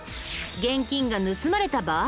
現金が盗まれた場合。